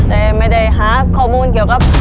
แต่ไม่ได้หาข้อมูลเกี่ยวกับ